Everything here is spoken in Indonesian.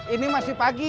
ini masih pagi